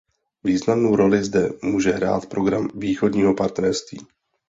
Významnou roli zde může hrát program Východního partnerství.